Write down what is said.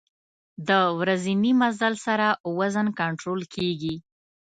د ورځني مزل سره وزن کنټرول کېږي.